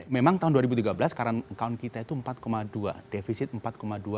memang tahun dua ribu tiga belas karena account kita itu empat dua